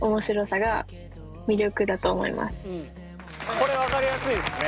これ分かりやすいですね。